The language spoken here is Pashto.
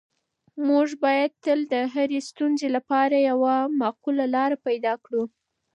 موږ باید تل د هرې ستونزې لپاره یوه معقوله لاره پیدا کړو.